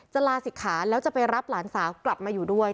ลาศิกขาแล้วจะไปรับหลานสาวกลับมาอยู่ด้วย